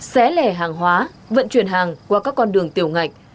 xé lẻ hàng hóa vận chuyển hàng qua các con đường tiểu ngạch